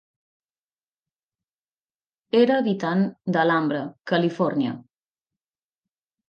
Era habitant d'Alhambra, Califòrnia.